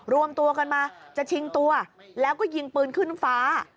รวมตัวกันมาจะชิงตัวแล้วก็ยิงปืนขึ้นฟ้า